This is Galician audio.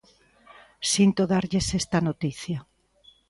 Sinto darlles esta noticia.